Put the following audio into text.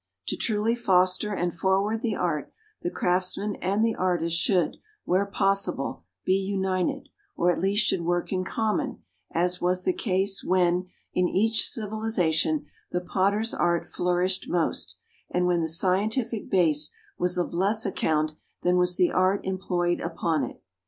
To truly foster and forward the art, the craftsman and the artist should, where possible, be united, or at least should work in common, as was the case when, in each civilisation, the Potter's Art flourished most, and when the scientific base was of less account than was the art employed upon it.